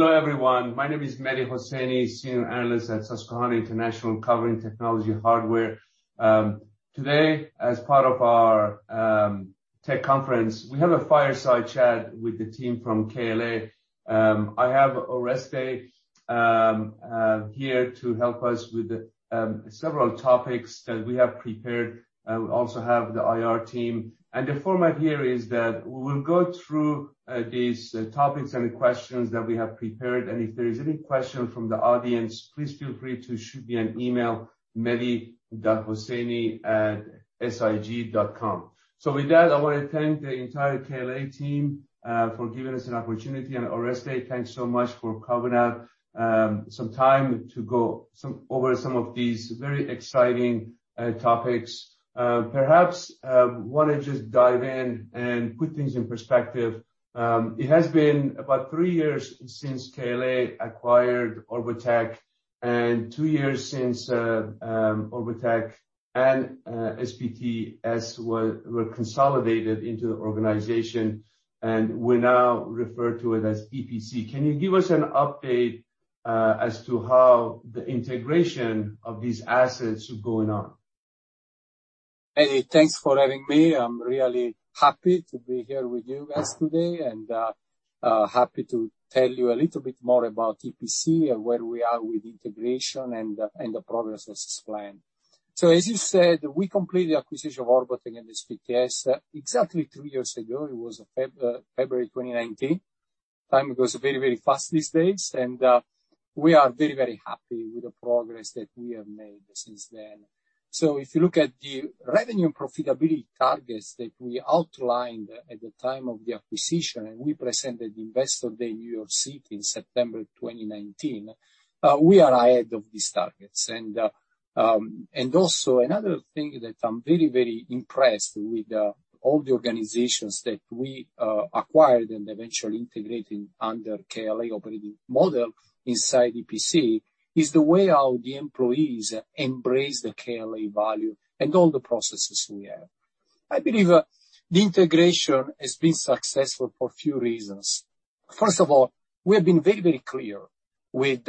Hello, everyone. My name is Mehdi Hosseini, senior analyst at Susquehanna International, covering technology hardware. Today, as part of our tech conference, we have a fireside chat with the team from KLA. I have Oreste here to help us with the several topics that we have prepared. We also have the IR team. The format here is that we will go through these topics and questions that we have prepared, and if there is any question from the audience, please feel free to shoot me an email, mehdi.hosseini@sig.com. With that, I want to thank the entire KLA team for giving us an opportunity, and Oreste, thanks so much for carving out some time to go over some of these very exciting topics. Perhaps wanna just dive in and put things in perspective. It has been about three years since KLA acquired Orbotech, and two years since Orbotech and SPTS were consolidated into the organization, and we now refer to it as EPC. Can you give us an update as to how the integration of these assets is going on? Mehdi, thanks for having me. I'm really happy to be here with you guys today, and happy to tell you a little bit more about EPC and where we are with integration and the progress as explained. As you said, we completed the acquisition of Orbotech and SPTS exactly two years ago. It was February 2019. Time goes very, very fast these days, and we are very, very happy with the progress that we have made since then. If you look at the revenue and profitability targets that we outlined at the time of the acquisition, and we presented Investor Day, New York City in September 2019, we are ahead of these targets. Another thing that I'm very, very impressed with all the organizations that we acquired and eventually integrated under KLA operating model inside EPC is the way how the employees embrace the KLA value and all the processes we have. I believe the integration has been successful for a few reasons. First of all, we have been very, very clear with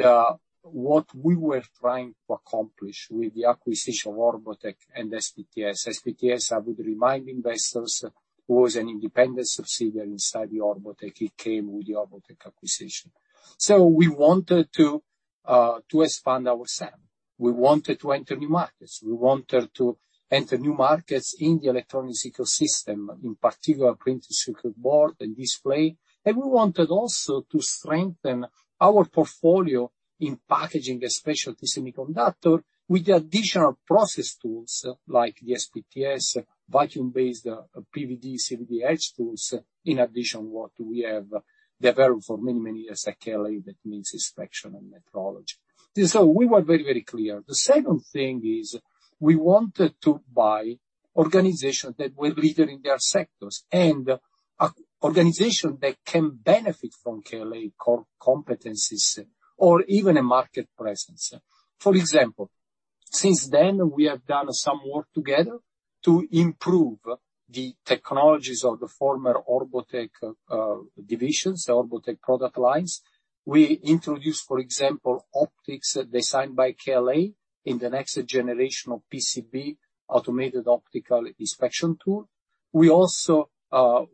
what we were trying to accomplish with the acquisition of Orbotech and SPTS. SPTS, I would remind investors, was an independent subsidiary inside the Orbotech. It came with the Orbotech acquisition. We wanted to expand our SAM. We wanted to enter new markets. We wanted to enter new markets in the electronics ecosystem, in particular printed circuit board and display. We wanted also to strengthen our portfolio in packaging, especially semiconductor, with the additional process tools like the SPTS vacuum-based PVD, CVD tools, in addition what we have developed for many, many years at KLA, that means inspection and metrology. We were very, very clear. The second thing is we wanted to buy organizations that were leader in their sectors and a organization that can benefit from KLA core competencies or even a market presence. For example, since then, we have done some work together to improve the technologies of the former Orbotech divisions, Orbotech product lines. We introduced, for example, optics designed by KLA in the next generation of PCB automated optical inspection tool. We also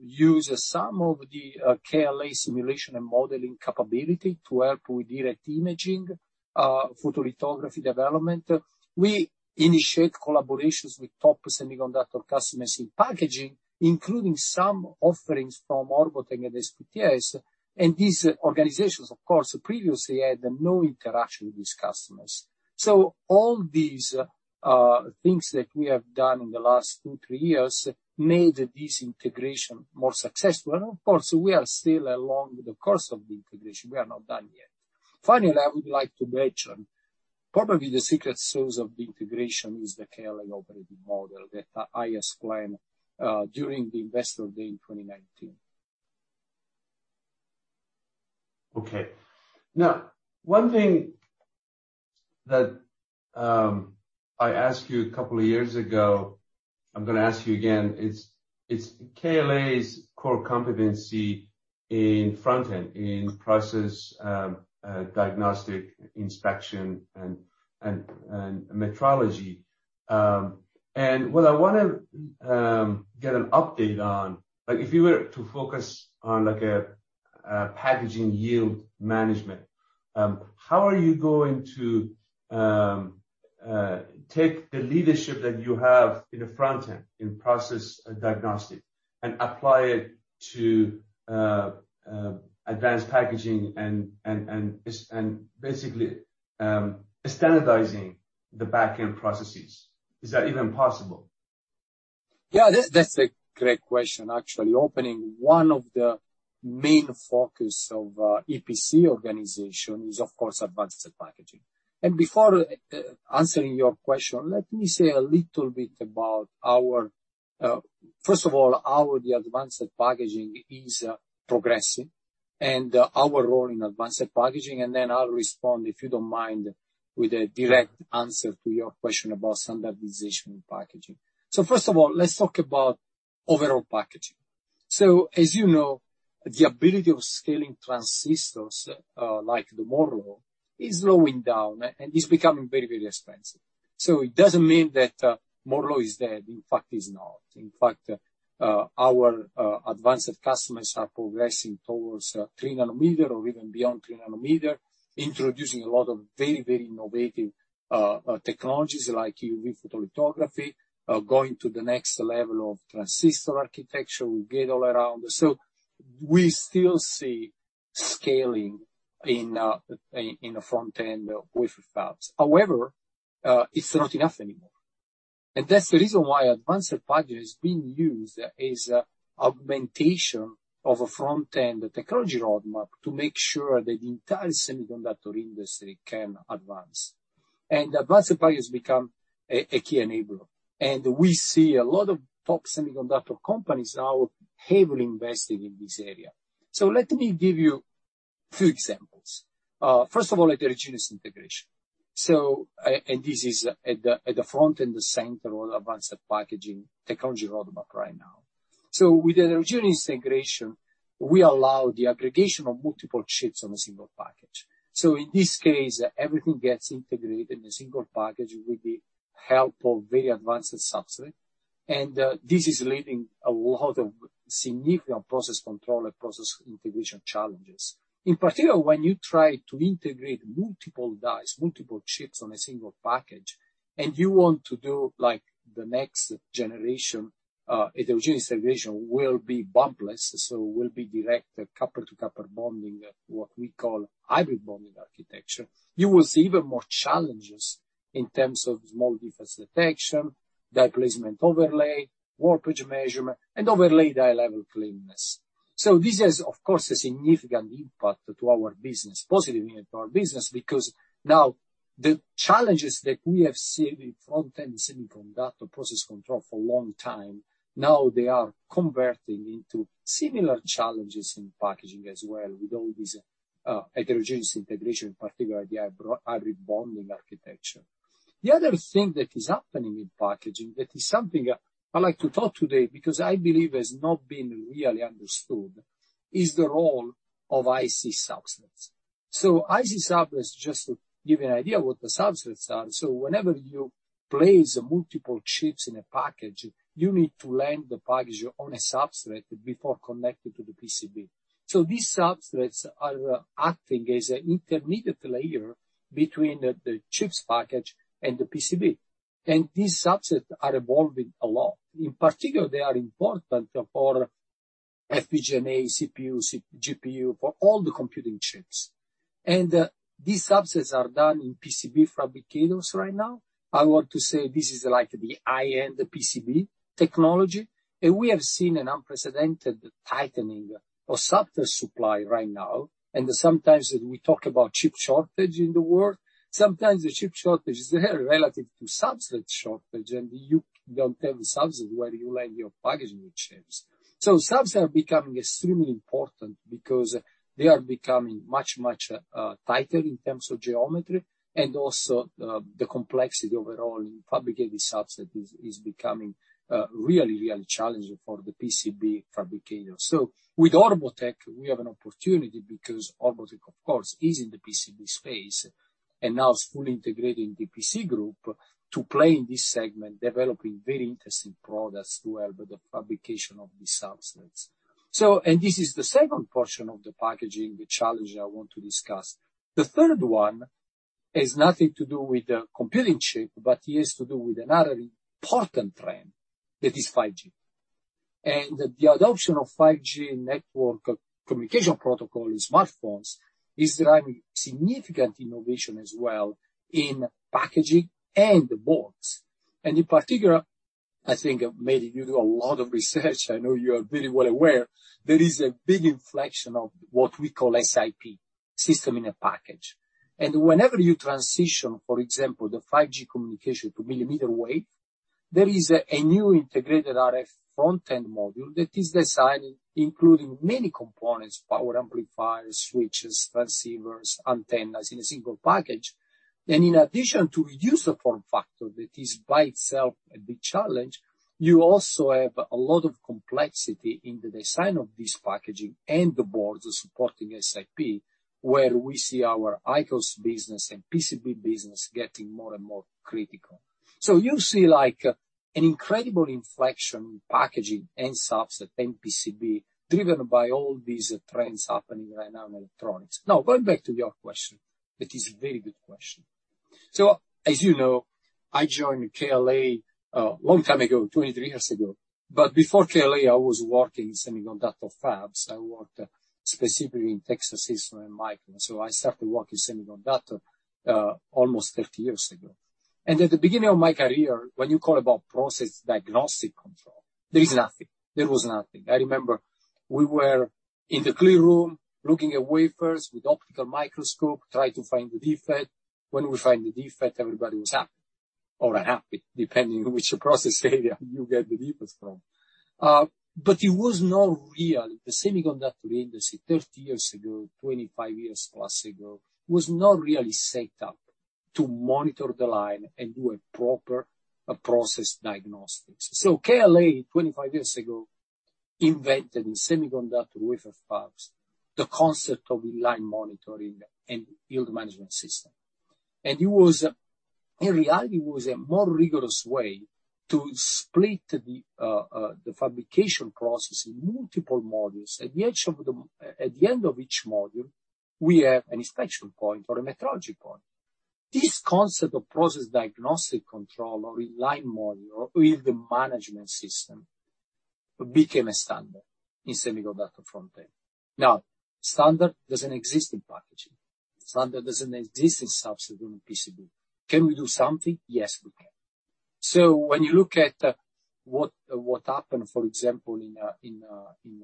use some of the KLA simulation and modeling capability to help with direct imaging photolithography development. We initiate collaborations with top semiconductor customers in packaging, including some offerings from Orbotech and SPTS. These organizations, of course, previously had no interaction with these customers. All these things that we have done in the last two years, three years made this integration more successful. Of course, we are still along the course of the integration. We are not done yet. Finally, I would like to mention probably the secret sauce of the integration is the KLA operating model that I explained during the Investor Day in 2019. Okay. Now, one thing that I asked you a couple of years ago, I'm gonna ask you again, it's KLA's core competency in front-end, in process diagnostic inspection and metrology. What I wanna get an update on, like if you were to focus on like a packaging yield management, how are you going to take the leadership that you have in the front-end, in process diagnostic, and apply it to advanced packaging and basically standardizing the back-end processes? Is that even possible? Yeah, that's a great question, actually. One of the main focuses of the EPC organization is, of course, advanced packaging. Before answering your question, let me say a little bit about, first of all, how the advanced packaging is progressing and our role in advanced packaging, and then I'll respond, if you don't mind, with a direct answer to your question about standardization packaging. First of all, let's talk about overall packaging. As you know, the ability of scaling transistors like Moore's Law is slowing down and it's becoming very, very expensive. It doesn't mean that Moore's Law is dead. In fact, it's not. In fact, our advanced customers are progressing towards 3-nanometer or even beyond 3-nanometer, introducing a lot of very innovative technologies like EUV photolithography, going to the next level of transistor architecture, gate-all-around. We still see scaling in the front-end of wafer fabs. However, it's not enough anymore. That's the reason why advanced packaging is being used as a augmentation of a front-end technology roadmap to make sure that the entire semiconductor industry can advance. Advanced package become a key enabler. We see a lot of top semiconductor companies now heavily investing in this area. Let me give you two examples. First of all, heterogeneous integration. And this is at the front and the center of advanced packaging technology roadmap right now. With the heterogeneous integration, we allow the aggregation of multiple chips on a single package. In this case, everything gets integrated in a single package with the help of very advanced substrate. This is leading a lot of significant process control and process integration challenges. In particular, when you try to integrate multiple dies, multiple chips on a single package, and you want to do like the next generation, heterogeneous integration will be bumpless, so will be direct copper-to-copper bonding, what we call hybrid bonding architecture. You will see even more challenges in terms of small defects detection, die placement overlay, warpage measurement, and overlay die level cleanliness. This has, of course, a significant impact to our business, positive impact to our business, because now the challenges that we have seen in front-end semiconductor process control for a long time, now they are converting into similar challenges in packaging as well with all these, heterogeneous integration, in particular the hybrid bonding architecture. The other thing that is happening in packaging that is something I like to talk today because I believe has not been really understood, is the role of IC substrates. IC substrates, just to give you an idea what the substrates are. Whenever you place multiple chips in a package, you need to land the package on a substrate before connecting to the PCB. These substrates are acting as an intermediate layer between the chips package and the PCB. These substrates are evolving a lot. In particular, they are important for FPGA, CPU, GPU, for all the computing chips. These substrates are done in PCB fabricators right now. I want to say this is like the high-end PCB technology, and we have seen an unprecedented tightening of substrate supply right now. Sometimes we talk about chip shortage in the world. Sometimes the chip shortage is very relative to substrate shortage, and you don't have the substrates where you land your packaging chips. Subs are becoming extremely important because they are becoming much tighter in terms of geometry and also the complexity overall in fabricating the substrate is becoming really challenging for the PCB fabricator. With Orbotech, we have an opportunity because Orbotech, of course, is in the PCB space and now is fully integrating PC group to play in this segment, developing very interesting products to help with the fabrication of these substrates. This is the second portion of the packaging, the challenge I want to discuss. The third one has nothing to do with the computing chip, but it has to do with another important trend that is 5G. The adoption of 5G network communication protocol in smartphones is driving significant innovation as well in packaging and boards. In particular, I think maybe you do a lot of research, I know you are very well aware, there is a big inflection of what we call SiP, system in a package. Whenever you transition, for example, the 5G communication to millimeter wave, there is a new integrated RF front-end module that is designed including many components, power amplifiers, switches, transceivers, antennas in a single package. In addition to reduce the form factor that is by itself a big challenge, you also have a lot of complexity in the design of this packaging and the boards supporting SiP, where we see our ICOS business and PCB business getting more and more critical. You see like an incredible inflection in packaging and subs and PCB driven by all these trends happening right now in electronics. Now, going back to your question, it is a very good question. As you know, I joined KLA a long time ago, 23 years ago. Before KLA, I was working in semiconductor fabs. I worked specifically in Texas Instruments and Micron. I started working in semiconductor almost 30 years ago. At the beginning of my career, when you talk about process diagnostic control, there is nothing. There was nothing. I remember we were in the clean room, looking at wafers with optical microscope, try to find the defect. When we find the defect, everybody was happy or unhappy, depending on which process area you get the defects from. It was not real. The semiconductor industry 30 years ago, 25 years+ ago, was not really set up to monitor the line and do a proper process diagnostics. KLA 25 years ago invented in semiconductor wafer fabs the concept of inline monitoring and yield management system. It was, in reality, a more rigorous way to split the fabrication process in multiple modules. At the end of each module, we have an inspection point or a metrology point. This concept of process diagnostic control or inline module with the management system became a standard in semiconductor front end. Now, standard doesn't exist in packaging. Standard doesn't exist in substrate and PCB. Can we do something? Yes, we can. When you look at what happened, for example, in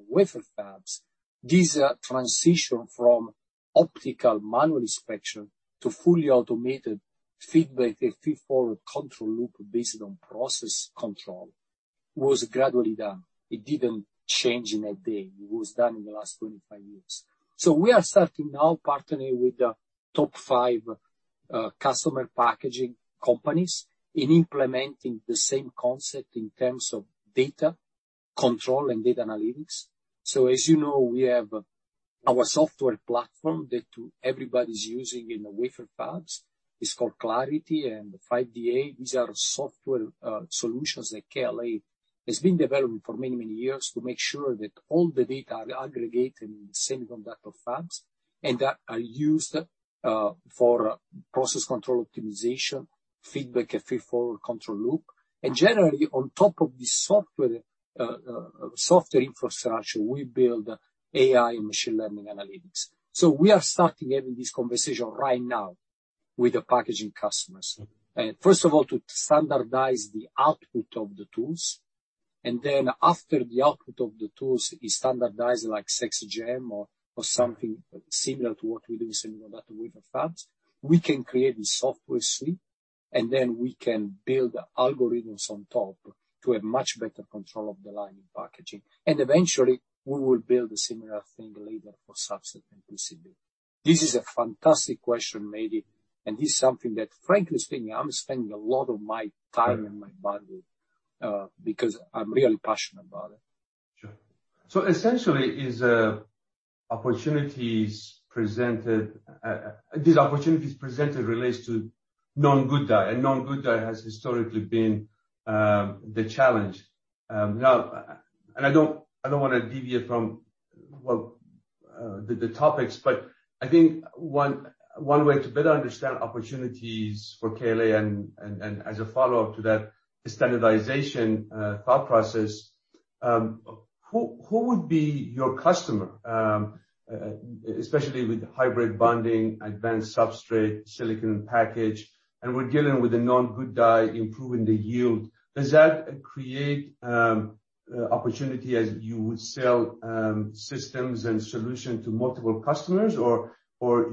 wafer fabs, this transition from optical manual inspection to fully automated feedback, feedforward control loop based on process control, was gradually done. It didn't change in a day. It was done in the last 25 years. We are starting now partnering with the top five customer packaging companies in implementing the same concept in terms of data control and data analytics. As you know, we have our software platform that everybody's using in the wafer fabs. It's called Klarity and 5D Analyzer. These are software solutions that KLA has been developing for many, many years to make sure that all the data are aggregated in semiconductor fabs and are used for process control optimization, feedback and feed forward control loop. Generally, on top of the software infrastructure, we build AI and machine learning analytics. We are starting to have this conversation right now with the packaging customers. First of all, to standardize the output of the tools, and then after the output of the tools is standardized, like SECS/GEM or something similar to what we do in semiconductor wafer fabs, we can create a software suite, and then we can build algorithms on top to have much better control of the line in packaging. Eventually, we will build a similar thing later for SPTS and PCB. This is a fantastic question, Mehdi, and this is something that, frankly speaking, I'm spending a lot of my time and my money, because I'm really passionate about it. Sure. Essentially, these opportunities presented relates to non-good die, and non-good die has historically been the challenge. Now, I don't wanna deviate from well the topics, but I think one way to better understand opportunities for KLA and as a follow-up to that standardization thought process, who would be your customer, especially with hybrid bonding, advanced substrate, silicon package, and we're dealing with a non-good die improving the yield. Does that create opportunity as you would sell systems and solution to multiple customers? Or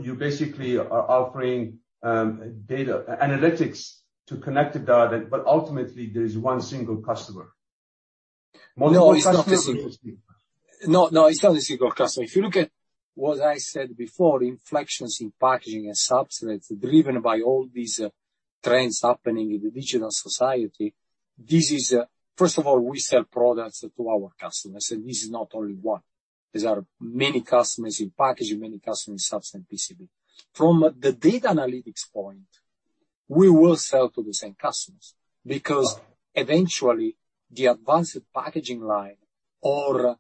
you basically are offering data analytics to connected data, but ultimately, there is one single customer. No, it's not a single customer. If you look at what I said before, inflections in packaging and substrates driven by all these trends happening in the digital society, this is, first of all, we sell products to our customers, and this is not only one. These are many customers in packaging, many customers in subs and PCB. From the data analytics point, we will sell to the same customers because eventually the advanced packaging line or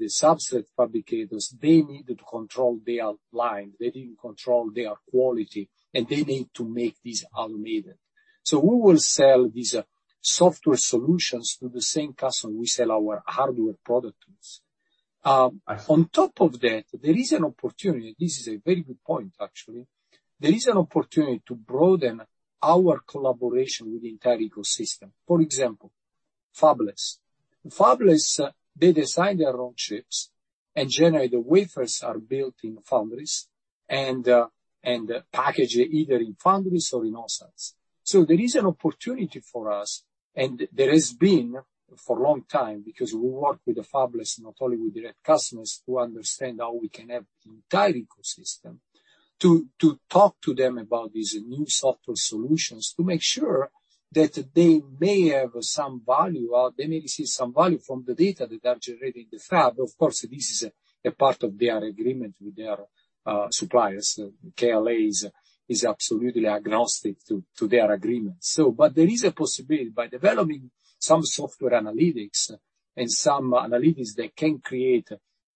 the substrate fabricators, they need to control their lines, they need to control their quality, and they need to make these automated. We will sell these software solutions to the same customer we sell our hardware product to. On top of that, there is an opportunity. This is a very good point, actually. There is an opportunity to broaden our collaboration with the entire ecosystem. For example, fabless. Fabless, they design their own chips, and generally, the wafers are built in foundries and packaged either in foundries or in OSATs. There is an opportunity for us, and there has been for a long time because we work with the fabless, not only with direct customers, to understand how we can help the entire ecosystem to talk to them about these new software solutions to make sure that they may have some value, or they may see some value from the data that are generated in the fab. Of course, this is a part of their agreement with their suppliers. KLA is absolutely agnostic to their agreements. there is a possibility by developing some software analytics and some analytics that can create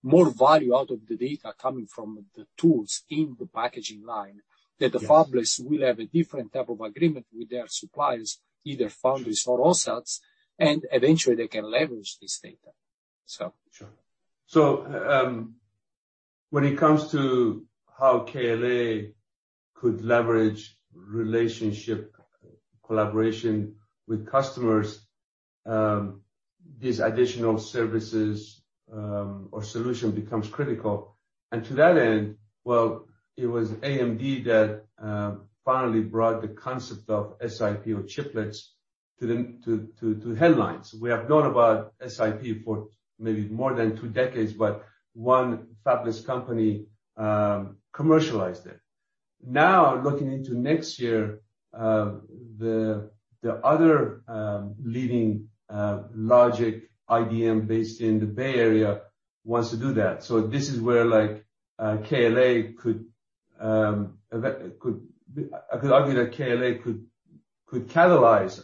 more value out of the data coming from the tools in the packaging line, that the fabless will have a different type of agreement with their suppliers, either foundries or OSATs, and eventually they can leverage this data. Sure. When it comes to how KLA could leverage relationship collaboration with customers, these additional services or solution becomes critical. To that end, it was AMD that finally brought the concept of SiP or chiplets to the headlines. We have known about SiP for maybe more than two decades, but one fabless company commercialized it. Now, looking into next year, the other leading logic IDM based in the Bay Area wants to do that. This is where like KLA could be. I could argue that KLA could catalyze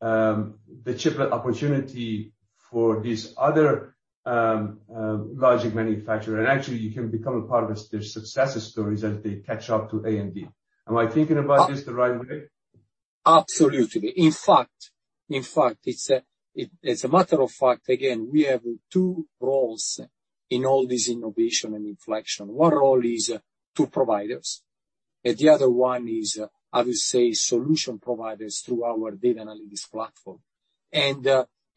the chiplet opportunity for this other logic manufacturer. Actually you can become a part of success stories as they catch up to AMD. Am I thinking about this the right way? Absolutely. In fact, it's a matter of fact, again, we have two roles in all this innovation and inflection. One role is as providers, and the other one is, I would say, solution providers through our data analytics platform.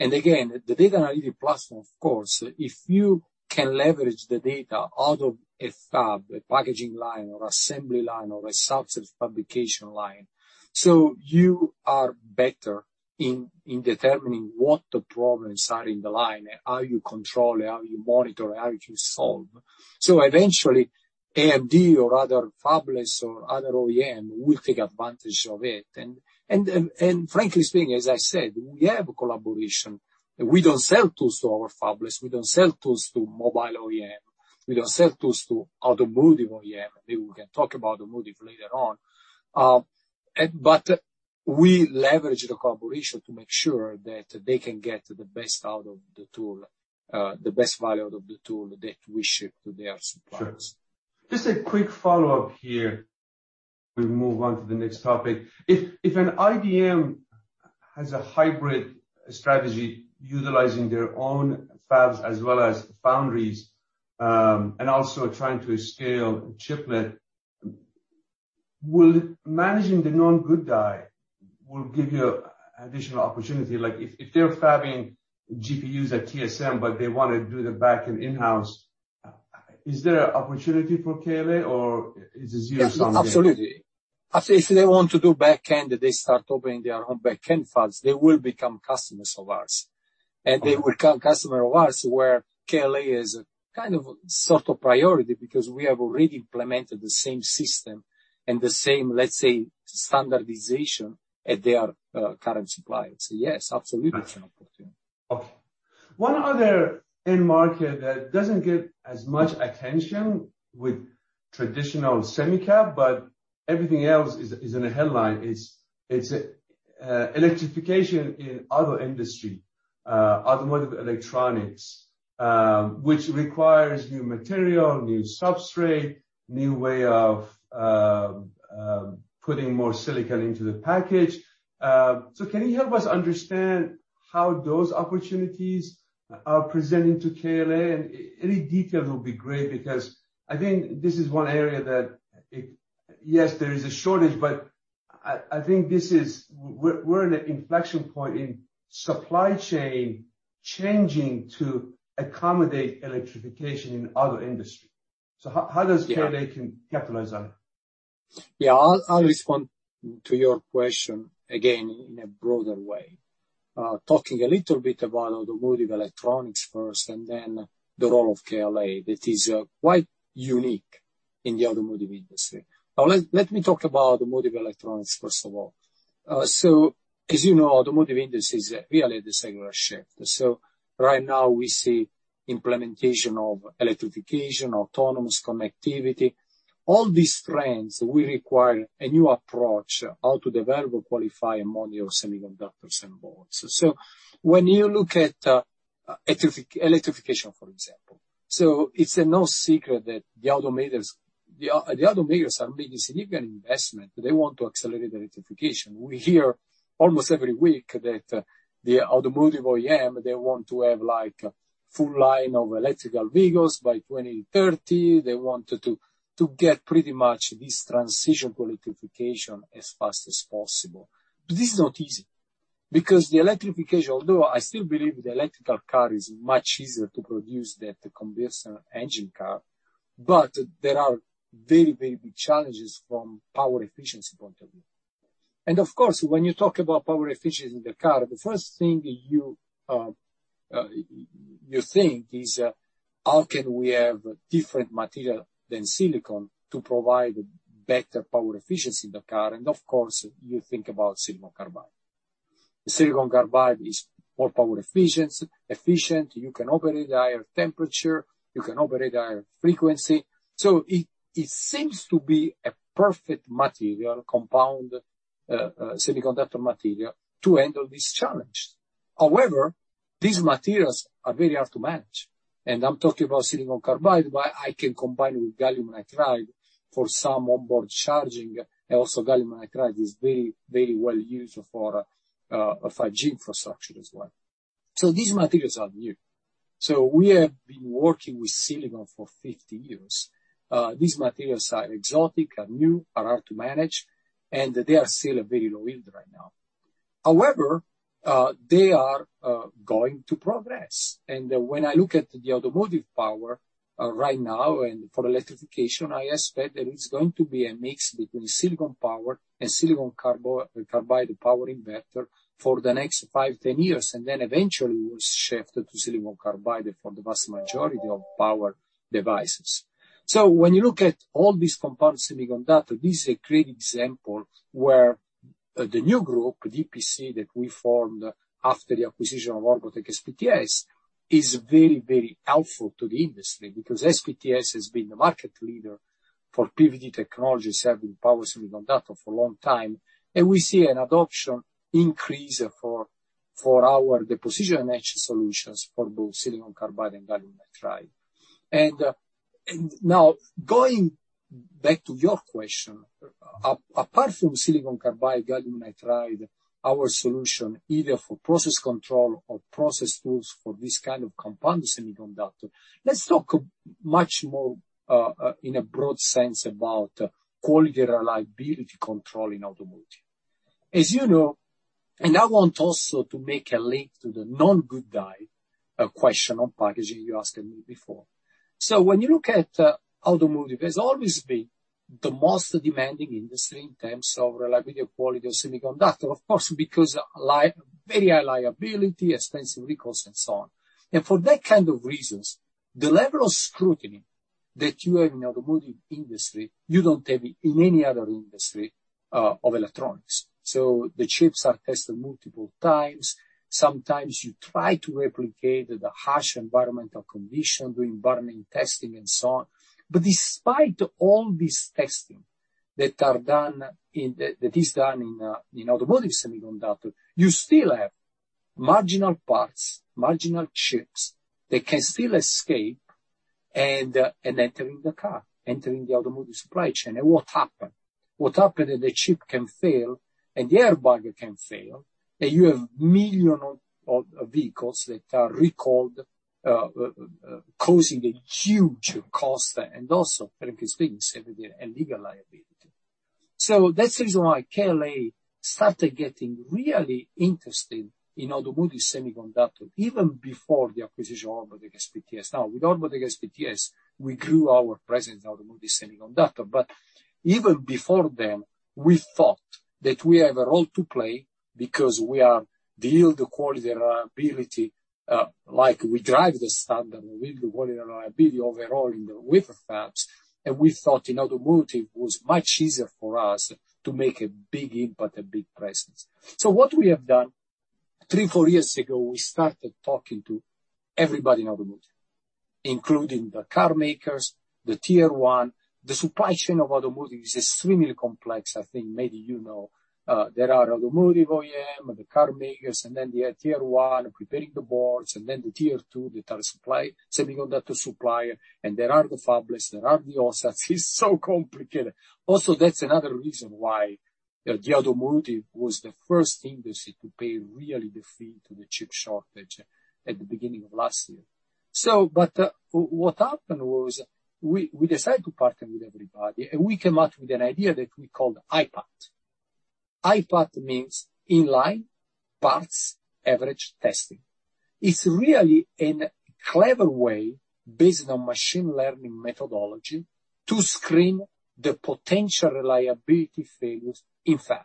Again, the data analytics platform, of course, if you can leverage the data out of a fab, a packaging line or assembly line or a substrate fabrication line, so you are better in determining what the problems are in the line, how you control it, how you monitor it, how you solve. Eventually AMD or other fabless or other OEM will take advantage of it. Frankly speaking, as I said, we have collaboration. We don't sell tools to our fabless. We don't sell tools to mobile OEM. We don't sell tools to automotive OEM. Maybe we can talk about automotive later on. We leverage the collaboration to make sure that they can get the best out of the tool, the best value out of the tool that we ship to their suppliers. Sure. Just a quick follow-up here as we move on to the next topic. If an IDM has a hybrid strategy utilizing their own fabs as well as foundries, and also trying to scale chiplet, will managing the non-good die give you additional opportunity? Like if they're fabbing GPUs at TSMC, but they wanna do the backend in-house, is there an opportunity for KLA or is this usually- Absolutely. If they want to do back-end, they start opening their own back-end fabs, they will become customers of ours, where KLA is kind of sort of priority because we have already implemented the same system and the same, let's say, standardization at their current suppliers. Yes, absolutely it's an opportunity. Okay. One other end market that doesn't get as much attention with traditional semi cap, but everything else is in the headline, it's electrification in auto industry, automotive electronics, which requires new material, new substrate, new way of putting more silicon into the package. Can you help us understand how those opportunities are presenting to KLA? Any detail will be great because I think this is one area that there is a shortage, but I think we're in an inflection point in supply chain changing to accommodate electrification in auto industry. How does KLA can capitalize on it? Yeah. I'll respond to your question again in a broader way, talking a little bit about automotive electronics first and then the role of KLA, that is, quite unique in the automotive industry. Let me talk about automotive electronics, first of all. As you know, automotive industry is really at a singular shift. Right now we see implementation of electrification, autonomous connectivity. All these trends will require a new approach how to develop or qualify modules, semiconductors and boards. When you look at electrification, for example, it's no secret that the automakers are making significant investment. They want to accelerate the electrification. We hear almost every week that the automotive OEM, they want to have like a full line of electric vehicles by 2030. They want to get pretty much this transition to electrification as fast as possible. This is not easy because the electrification, although I still believe the electric car is much easier to produce than the combustion engine car, but there are very big challenges from power efficiency point of view. Of course, when you talk about power efficiency in the car, the first thing you think is how can we have different material than silicon to provide better power efficiency in the car? Of course, you think about silicon carbide. Silicon carbide is more power efficient. You can operate at higher temperature, you can operate at higher frequency. It seems to be a perfect compound semiconductor material to handle this challenge. However, these materials are very hard to manage, and I'm talking about silicon carbide, but I can combine with gallium nitride for some onboard charging. Also, gallium nitride is very, very well used for a 5G infrastructure as well. These materials are new. We have been working with silicon for 50 years. These materials are exotic, are new, are hard to manage, and they are still a very low yield right now. However, they are going to progress. When I look at the automotive power right now and for electrification, I expect that it's going to be a mix between silicon power and silicon carbide power inverter for the next five years, 10 years, and then eventually will shift to silicon carbide for the vast majority of power devices. When you look at all these compound semiconductor, this is a great example where the new group, EPC, that we formed after the acquisition of Orbotech SPTS, is very, very helpful to the industry because SPTS has been the market leader for PVD technology serving power semiconductor for a long time, and we see an adoption increase for our deposition and etch solutions for both silicon carbide and gallium nitride. Now going back to your question, apart from silicon carbide, gallium nitride, our solution either for process control or process tools for this kind of compound semiconductor, let's talk much more in a broad sense about quality and reliability control in automotive. As you know, I want also to make a link to the known good die question on packaging you asked me before. When you look at automotive, it has always been the most demanding industry in terms of reliability of quality of semiconductor, of course because very high liability, expensive recalls and so on. For that kind of reasons, the level of scrutiny that you have in automotive industry, you don't have it in any other industry of electronics. The chips are tested multiple times. Sometimes you try to replicate the harsh environmental condition, doing burn-in testing and so on. Despite all this testing that is done in automotive semiconductor, you still have marginal parts, marginal chips that can still escape and entering the car, entering the automotive supply chain. What happen? What happens is the chip can fail and the airbag can fail, and you have millions of vehicles that are recalled, causing a huge cost and also, frankly speaking, severe legal liability. That's the reason why KLA started getting really interested in automotive semiconductor even before the acquisition of Orbotech SPTS. Now, with Orbotech SPTS, we grew our presence in automotive semiconductor, but even before them, we thought that we have a role to play because we are dealing with quality and reliability. Like we drive the standard with quality and reliability overall in the wafer fabs, and we thought in automotive it was much easier for us to make a big impact, a big presence. What we have done, three years, four years ago, we started talking to everybody in automotive, including the car makers, the Tier 1. The supply chain of automotive is extremely complex. I think maybe you know. There are automotive OEM, the car makers, and then the Tier 1 preparing the boards, and then the Tier 2 that are semiconductor supplier, and there are the fabless, there are the OSATs. It's so complicated. Also, that's another reason why the automotive was the first industry to pay the price for the chip shortage at the beginning of last year. What happened was we decided to partner with everybody, and we came up with an idea that we called IPAT. IPAT means Inline Parts Average Testing. It's really a clever way based on machine learning methodology to screen the potential reliability failures in fab.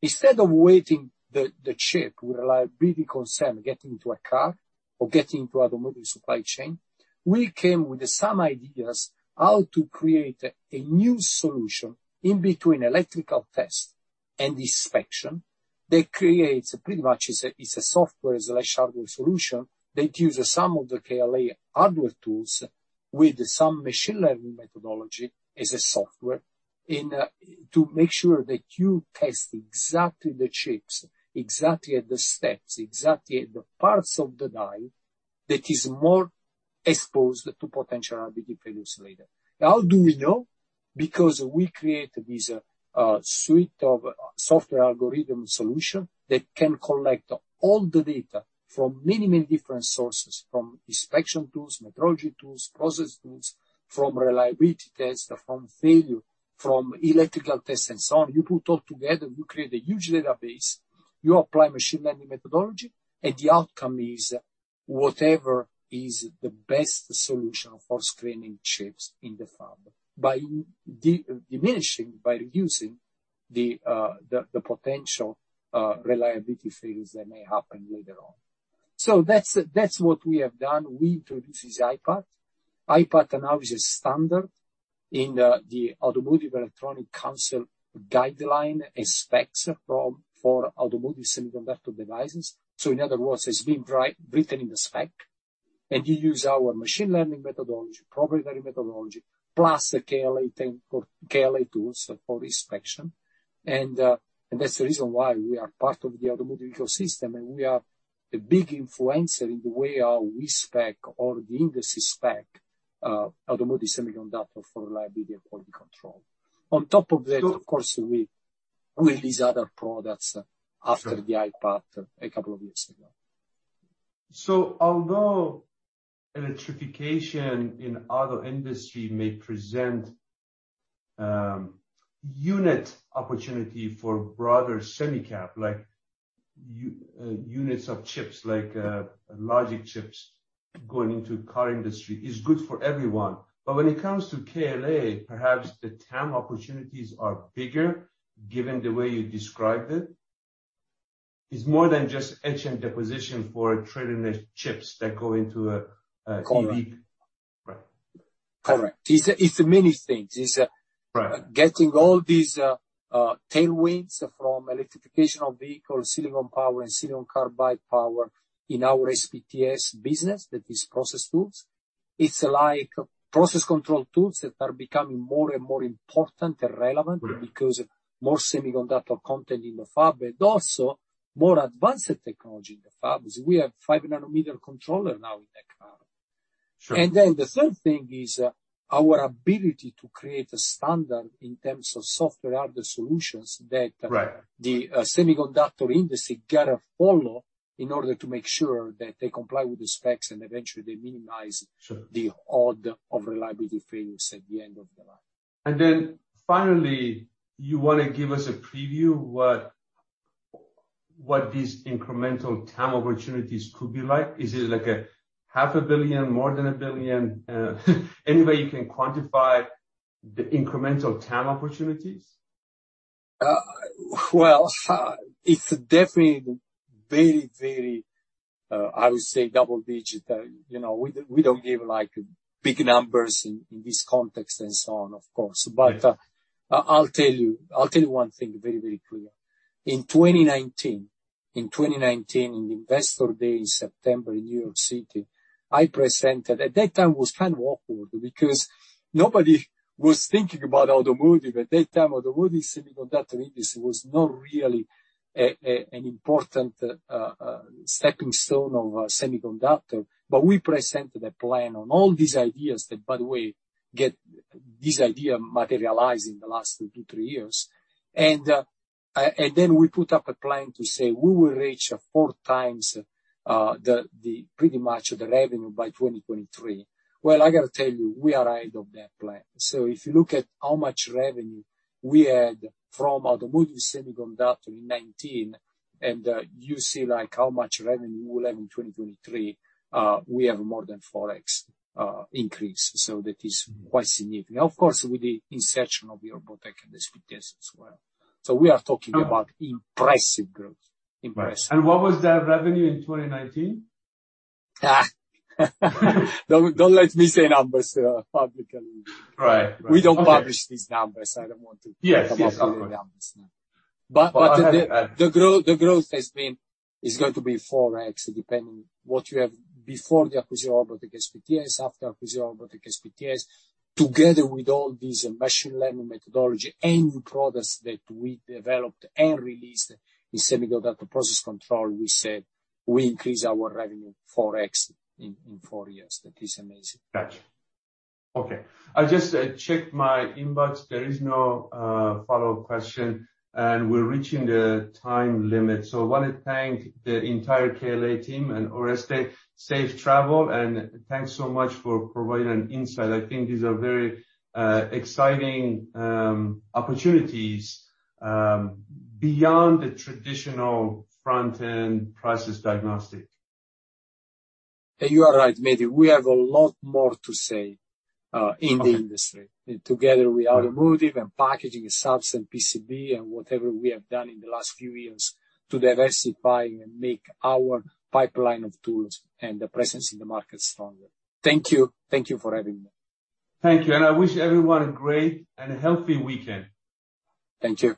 Instead of waiting for the chip with reliability concern getting into a car or getting into automotive supply chain, we came with some ideas how to create a new solution in between electrical test and inspection that creates pretty much it's a software and a hardware solution that uses some of the KLA hardware tools with some machine learning methodology and a software to make sure that you test exactly the chips, exactly at the steps, exactly at the parts of the die that is more exposed to potential reliability failures later. How do we know? Because we create this suite of software algorithm solution that can collect all the data from many, many different sources, from inspection tools, metrology tools, process tools, from reliability test, from failure, from electrical test and so on. You put all together, you create a huge database, you apply machine learning methodology, and the outcome is whatever is the best solution for screening chips in the fab by diminishing, by reducing the potential reliability failures that may happen later on. That's what we have done. We introduced this IPAT. IPAT now is a standard in the Automotive Electronics Council guideline and specs for automotive semiconductor devices. In other words, it's been written in the spec, and you use our machine learning methodology, proprietary methodology, plus the KLA tech or KLA tools for inspection. That's the reason why we are part of the automotive ecosystem, and we are a big influencer in the way how we spec or the industry spec automotive semiconductor for reliability and quality control. On top of that, of course, we build these other products after the IPAT a couple of years ago. Although electrification in auto industry may present unit opportunity for broader semi cap like units of chips, like, logic chips going into car industry is good for everyone. When it comes to KLA, perhaps the TAM opportunities are bigger given the way you described it. It's more than just etch and deposition for traying the chips that go into an EV. Correct. Right. Correct. It's many things. Right. Getting all these tailwinds from electrification of vehicles, silicon power and silicon carbide power in our SPTS business. That is process tools. It's like process control tools that are becoming more and more important and relevant. Mm-hmm. because more semiconductor content in the fab, but also more advanced technology in the fabs. We have 5 nanometer controller now in that car. Sure. The third thing is our ability to create a standard in terms of software, other solutions that Right. the semiconductor industry gotta follow in order to make sure that they comply with the specs and eventually they minimize Sure. the odds of reliability failures at the end of the line. Finally, you wanna give us a preview what these incremental TAM opportunities could be like? Is it like 500,000, more than a billion? Any way you can quantify the incremental TAM opportunities? Well, it's definitely very, I would say, double digit. You know, we don't give like big numbers in this context and so on, of course. Yeah. I'll tell you one thing very, very clear. In 2019, in the investor day in September in New York City, I presented. At that time it was kind of awkward because nobody was thinking about automotive. At that time, automotive semiconductor industry was not really an important stepping stone of semiconductor. We presented a plan on all these ideas that, by the way, get this idea materialized in the last two years, three years. And then we put up a plan to say, "We will reach 4x the pretty much the revenue by 2023." Well, I gotta tell you, we are ahead of that plan. If you look at how much revenue we had from automotive semiconductor in 2019, and you see like how much revenue we'll have in 2023, we have more than 4x increase. That is quite significant. Of course, with the inception of the Orbotech and the SPTS as well. We are talking about impressive growth. Impressive. What was that revenue in 2019? Don't let me say numbers publicly. Right. Okay. We don't publish these numbers. I don't want to. Yes, yes. Talk about the numbers now. The growth has been, is going to be 4x, depending what you have before the acquisition of Orbotech SPTS, after acquisition of Orbotech SPTS. Together with all these machine learning methodology and new products that we developed and released in semiconductor process control, we said we increase our revenue 4x in four years. That is amazing. Gotcha. Okay. I just checked my inbox. There is no follow-up question, and we're reaching the time limit. I wanna thank the entire KLA team and Oreste. Safe travel, and thanks so much for providing an insight. I think these are very exciting opportunities beyond the traditional front-end process diagnostic. You are right, Mehdi. We have a lot more to say in the industry. Okay. Together with automotive and packaging subs and PCB and whatever we have done in the last few years to diversify and make our pipeline of tools and the presence in the market stronger. Thank you. Thank you for having me. Thank you, and I wish everyone a great and healthy weekend. Thank you.